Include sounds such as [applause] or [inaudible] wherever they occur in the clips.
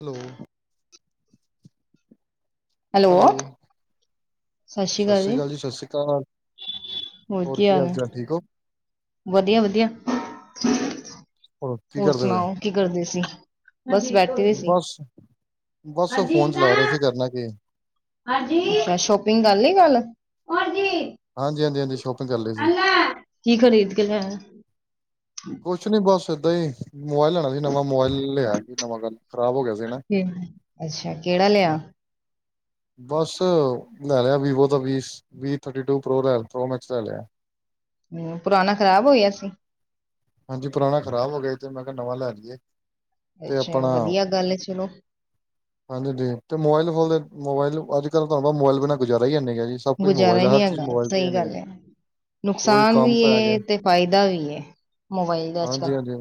Hello. Hello. ਸਤਿ ਸ੍ਰੀ ਅਕਾਲ ਜੀ, ਸਤਿ ਸ਼੍ਰੀ ਅਕਾਲ ਹੋਰ ਕੀ ਹਾਲ ਚਾਲ ਠੀਕ ਹੋ। ਵਧੀਆ-ਵਧੀਆ, ਕੀ ਹੋਰ ਕਰਦੇ ਸੁਣਾਓ ਕੀ ਕਰਦੇ ਸੀ। ਬਸ ਬੈਠੇ ਹੋਏ ਸੀ ਬਸ-ਬਸ। ਫੋਨ ਚਲਾ ਰਿਹਾ ਸੀ, ਕਰਨਾ ਕੀ ਅੱਛਾ ਸ਼ੋਪਿੰਗ ਕਰ ਲਈ ਗੱਲ ਹਾਂਜੀ ਹਾਂਜੀ ਹਾਂਜੀ ਸ਼ੋਪਿੰਗ ਕਰ ਲਈ ਸੀ ਕੀ ਖਰੀਦ ਕੇ ਲਿਆਏ ਕੁਛ ਨੀ ਬਸ ਏਦਾਂ ਹੀ। ਮੋਬਾਇਲ ਲੈਣਾ ਸੀ ਨਵਾਂ ਮੋਬਾਇਲ ਲਿਆ ਸੀ ਨਵਾਂ ਗੱਲ ਖਰਾਬ ਹੋ ਗਿਆ ਸੀ ਨਾ। ਅੱਛਾ, ਕਿਹੜਾ ਲਿਆ। ਬਸ ਲੈ ਲਿਆ ਵੀਵੋ ਦਾ ਵੀ ਥਰਟੀ ਟੂ ਪ੍ਰੋ ਲੈ ਪ੍ਰੋ ਮੈਕਸ ਲੈ ਲਿਆ। ਹਮ, ਪੁਰਾਣਾ ਖ਼ਰਾਬ ਹੋਇਆ ਸੀ। ਹਾਂਜੀ ਪੁਰਾਣਾ ਖ਼ਰਾਬ ਹੋ ਗਿਆ ਤੇ, ਮੈਂ ਕਿਹਾ ਨਵਾਂ ਲੈ ਲਈਏ। ਤੇ ਅੱਛਾ ਆਪਣਾ ਵਧੀਆ ਗੱਲ ਹੈ ਚਲੋ ਹਾਂਜੀ ਤੇ ਮੋਬਾਇਲ ਫੋਨ ਦੇ ਮੋਬਾਇਲ ਅੱਜ ਕੱਲ ਬ ਮੋਬਲ ਬਿਨਾਂ ਗੁਜਾਰਾ ਈ ਹੈ ਨਹੀਂ ਗੁਜ਼ਾਰਾ ਹੀ ਨਹੀਂ ਹੈਗਾ ਸਹੀ ਗੱਲ ਏ। ਕੋਈ ਨੁਕਸਾਨ ਕੰਮ ਵੀ ਪੈ ਗਿਆ ਤੇ ਫਾਇਦਾ ਵੀ ਮੋਬਾਈਲ ਦਾ ਅੱਜ ਕਲ ਹਾਂਜੀ ਹਾਂਜੀ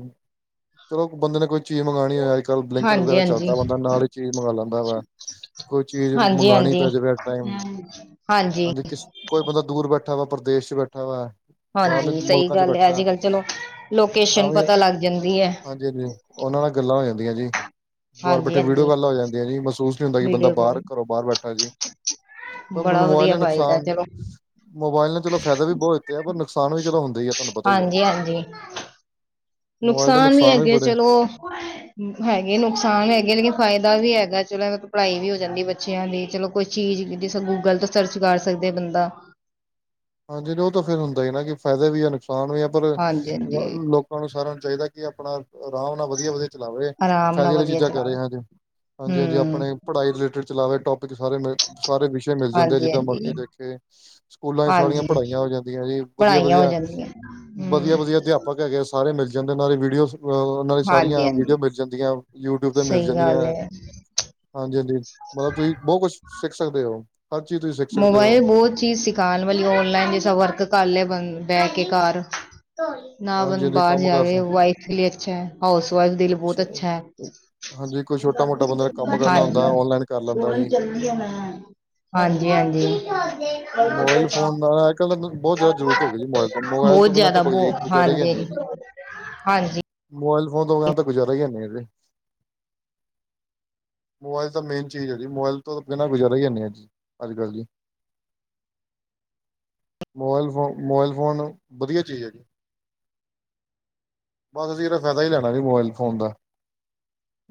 ਚਲੋ ਬੰਦੇ ਨੇ ਕੋਈ ਚੀਜ਼ ਮੰਗਉਣੀ ਹੋਏ ਅੱਜ ਕੱਲ ਬਲਿੰਕਟ ਹਾਂਜੀ ਵਗੈਰਾ ਹਾਂਜੀ ਚੱਲਦਾ ਬੰਦਾ ਨਾਲ ਹੀ ਚੀਜ਼ ਮੰ ਲਦਾ ਵਾ ਕੋਈ ਚੀਜ਼ ਹਾਂਜੀ ਮੰਗਵਾਉਣੀ ਹਾਂਜੀ ਪੈ ਜਾਵੇ ਟਮ ਹਾਂਜੀ ਕਿਸ ਕੋਈ ਪਤ ਬੰਦਾ ਦੂਰ ਬੈਠਾ ਵਾ ਪ੍ਰਦੇਸ਼ ਚ ਬੈਠਾ ਵੇ। ਹਾਂਜੀ ਸਹੀ ਗੱਲ ਏ। ਅੱਜ ਕੱਲ ਚਲੋ ਲੋਕੇਸ਼ਨ ਪਤਾ ਲੱਗ ਜਾਂਦੀ ਏ। ਹਾਂਜੀ-ਹਾਂਜੀ। ਉਹਨਾਂ ਨਾਲ ਗੱਲਾਂ ਹੋ ਜਾਂਦੀਆਂ ਜੀ। ਬਾਹਰ ਹਾਂਜੀ ਬੈਠੇ ਵੀਡੀਓ ਹਾਂਜੀ ਕਾਲਾਂ ਹੋ ਜਾਂਦੀਆਂ ਜੀ, ਮਹਿਸੂਸ ਨਹੀਂ ਹੁੰਦਾ ਕਿ ਬੰਦਾ ਵੀਡੀਓ ਬਾਹਰ ਕਾਲ ਘਰੋਂ ਬਾਹਰ ਬੈਠਾ ਜੀ‌ ਪਰ ਬੜਾ ਮੋਬਾਇਲ ਵਧੀਆ ਨੇ ਫਾਇਦਾ ਨੁਕਸਾਨ, ਚਲੋ ਮੋਬਾਇਲ ਨੇ ਚਲੋ ਫਾਇਦਾ ਵੀ ਬਹੁਤ ਹੈ ਪਰ ਨੁ ਨੁਕਸਾਨ ਵੀ ਚਲੋ ਹੁੰਦੇ ਏ, ਤੁਹਾਨੂੰ ਪਤਾ ਹੀ ਹੈ। ਹਾਂਜੀ ਹਾਂਜੀ ਮੋਬਾਇਲ ਦੇ ਨੁਕਸਾਨ ਵੀ ਵੀ ਹੈਗੇ ਬੜੇ ਚਲੋ ਹੈਗੇ ਨੁਕਸਾਨ ਹੈਗੇ ਲੇਕਿਨ ਫਾਇਦਾ ਵੀ ਹੈਗਾ। ਚਲੋ ਪੜ੍ਹਾਈ ਵੀ ਹੋ ਜਾਂਦੀ ਬੱਚਿਆਂ ਦੀ ਚਲੋ ਕੋਈ ਚੀਜ਼ ਜ ਗੂਗਲ ਤੋਂ ਸਰਚ ਕਰ ਸਕਦੇ ਬੰਦਾ। ਹਾਂਜੀ, ਉਹ ਤਾਂ ਫੇਰ ਹੁੰਦਾ ਹੀ ਨਾ ਕਿ ਫਾਇਦਾ ਵੀ ਐ ਨੁਕਸਾਨ ਾਨ ਵੀ ਆ ਪਰ ਹਾਂਜੀ ਅ ਹਾਂਜੀ ਲੋਕਾਂ ਨੂੰ ਸਾਰਿਆਂ ਨੂੰ ਚਾਹੀਦਾ ਕਿ ਆਪਣਾ ਆਰਾਮ ਨਾਲ ਵਧੀਆ ਵਧੀਆ ਚਲਾਵੇ ਆਰਾਮ ਨਾਲ ਫਾਇਦੇ ਵਾਲੀ ਵਧੀਆ ਚੀਜ਼ਾਂ ਕਰ ਰਹੇ ਚਲਾਵੇ ਹਾਂਜੀ-ਹਾਂਜੀ-ਹਾਂਜੀ, ਹਮ ਆਪਣੇ ਪੜ੍ਹਾਈ ਰਿਲੇਟਿਡ ਚਲਾਵੇ ਟੋਪ ਸਾਰੇ ਮਿਲ ਸਾਰੇ ਵਿਸ਼ੇ ਮਿਲ ਜਾਂਦੇ ਆ, ਹਾਂਜੀ ਜਿੱਦਾਂ ਹਾਂਜੀ ਮਰਜੀ ਦੇਖੇ ਸਕੂਲਾਂ ਵਿੱਚ ੀਆਂ ਹਾਂਜੀ ਪੜ੍ਹਾਈਆਂ ਹੋ ਜਾਂਦੀਆਂ ਜੀ ਵਧੀਆ ਪੜ੍ਹਾਈਆਂ ਹੋ ਵਧੀਆ ਜਾਂਦੀਆਂ ਹਮ ਵਧੀਆ ਵਧੀਆ ਅਧਿਆਪਕ ਹੈਗੇ ਆ ਸਾਰੇ ਮਿਲ ਜਾਂਦੇੇ ਵੀਡੀਓ ਨਾਲ ਦੀ ਹਾਂਜੀ ਸਾਰੀਆਂ ਵੀਡੀਓ ਹਾਂਜੀ ਮਿਲ ਜਾਂਦੀਆਂ ਯੂਟਿਊਬ ਤੇ ਮਿਲ ਸਹੀ ਗੱਲ ਜਾਂਦੀਆਂ। ਹੈ ਹਾਂਜੀ- ਹਾਂਜੀ। ਮਤਲਬ ਤੁਸੀਂ ਬਹੁਤ ਕੁਛ ਸਿੱਖ ਸਕਦੇ ਹੋ। ਹਰ ਚੀਜ਼ ਤੁਸੀਂ ਸਿੱਖ ਸਕਦੇ ਹੋ ਮੋਬਾਇਲ ਬਹੁਤ ਚੀਜ਼ ਸਿਖਾਉਣ ਵਾਲੀ ਹੋ ਜ ਸ ਵਰਕ ਕਰ ਲਿਆ ਬ ਬਹਿ ਕੇ ਘਰ ਨਾ ਬ ਹਾਂਜੀ ਹਾਂਜੀ ਬਾਹਰ ਕੰਮ ਕਰ ਜਾਵੇ ਵਾਈਫ ਲਈ ਅੱਛਾ ਹੈ। ਹਾਊਸ ਵਾਈਫ ਦੇ ਲਈ ਬਹੁਤ ਸਕਦੇ। ਅੱਛਾ ਹੈ। ਹਾਂਜੀ ਕੋਈ ਛੋਟਾ ਮੋਟਾ ਬੰਦੇ ਨੇ ਕੰਮ ਕਰਨਾ ਹਾਂਜੀ, ਹੁੰਦਾ ਔਨਲਾਈਨ ਕਰ ਲੈਂਦਾ ਜੀ। ਚੱਲਦੀ ਹਾਂਜੀ। ਜੀ ਹਾਂਜੀ। ਮੋਬਾਇਲ ਫੋਨ ਦਾ ਅੱਜ ਕੱਲ ਬਹੁਤ ਜ਼ਿਆਦਾ ਜ਼ਰੂਰਤ ਹੋ ਗਈ ਜੀ ਮੋਬਾਇਲ ਤੋਂ ਮੋਬਾਇਲ ਤੋਂ ਬਹੁਤ ਬਿਨਾਂ ਤਾਂ ਜ਼ਿਆਦਾ ਗੁਜ- ਬਹੁ ਗੁਜ਼ਾਰਾ ਹੀ ਹਾਂਜੀ ਨਹੀਂ ਜੀ। [inaudible] ਹਾਂਜੀ। ਮੋਬਾਇਲ ਫੋਨ ਤੋਂ ਬਿਨਾਂ ਤਾਂ ਗੁਜ਼ਾਰਾ ਹੀ ਹੈ ਨਹੀਂ । ਮੋਬਾਇਲ ਤਾਂ ਮੇਨ ਚੀਜ਼ ਹੈ ਜੀ, ਮੋਬਾਇਲ ਤੋਂ ਬਿਨਾਂ ਗੁਜ਼ਾਰਾ ਹੀ ਹੈ ਨੀ ਅੱਜ ਕੱਲ ਜੀ। ਮੋਬਾਇਲ ਫੋਨ, ਮੋਬਾਇਲ ਫੋਨ ਵਧੀਆ ਚੀਜ਼ ਹੈ ਜੀ। ਬਸ ਅਸੀਂ ਇਹਦਾ ਫਾਇਦਾ ਹੀ ਲੈਣਾ ਸੀ ਮੋਬਾਇਲ ਫੋਨ ਦਾ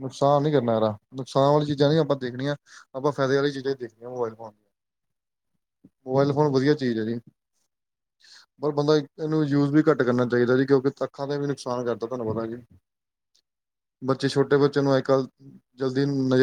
ਨੁਕਸਾਨ ਨੀ ਕਰਨਾ ਯਾਰ ਨੁਕਸਾਨ ਵਾਲੀ ਚੀਜ਼ਾਂ ਨੀ ਆਪਾਂ ਦੇਖਣੀਆਂ, ਆਪਾਂ ਫਾਇਦੇ ਵਾਲੀ ਚੀਜ਼ਾਂ ਹੀ ਦੇਖਣੀਆਂ ਮੋਬਾਈਲ ਫੋਨ ਦੀਆਂ ਮੋਬਾਇਲ ਫੋਨ ਵਧੀਆ ਚੀਜ਼ ਹੈ ਜੀ। ਪਰ ਬੰਦਾ ਇਹਨੂੰ ਯੂਜ ਵੀ ਘੱਟ ਕਰਨਾ ਚਾਹੀਦਾ ਜੀ, ਕਿਉਂਕਿ ਤੱਖਾਂ ਦਾ ਵੀ ਨੁਕਸਾਨ ਕਰਦਾ, ਤੁਹਾਨੂੰ ਪਤਾ ਜੀ। ਬੱਚੇ ਛੋਟੇ ਬੱਚਿਆਂ ਨੂੰ ਅੱਜ ਕੱਲ੍ਹ ਜਲਦੀ ਨਜ਼ਰ